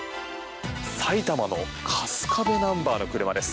埼玉の春日部ナンバーの車です。